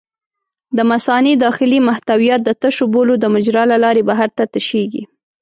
د مثانې داخلي محتویات د تشو بولو د مجرا له لارې بهر ته تشېږي.